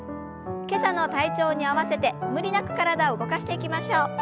今朝の体調に合わせて無理なく体を動かしていきましょう。